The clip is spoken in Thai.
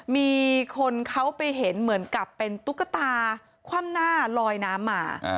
มีคนเขาไปเห็นเหมือนกับเป็นตุ๊กตาคว่ำหน้าลอยน้ำมา